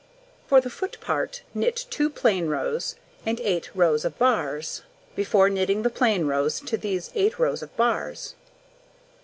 For the foot part, knit 2 plain rows, and 8 rows of bars, before knitting the plain rows to these 8 rows of bars.